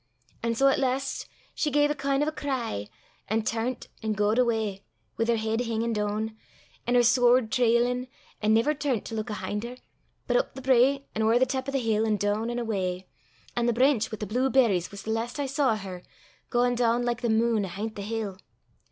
An' sae at last she gae a kin' o' a cry, an' turnt an' gaed awa, wi' her heid hingin' doon, an' her swoord trailin', an' never turnt to luik ahin' her, but up the brae, an' ower the tap o' the hill, an' doon an' awa; an' the brainch wi' the blew berries was the last I saw o' her gaein' doon like the meen ahin' the hill.